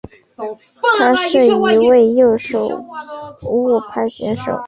他是一位右手握拍选手。